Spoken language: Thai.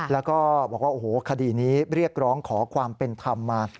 แล้วก็บอกว่าโอ้โหคดีนี้เรียกร้องขอความเป็นธรรมมา